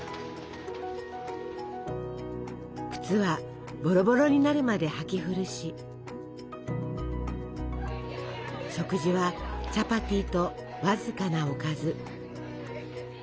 靴はボロボロになるまで履き古し食事はチャパティと僅かなおかず。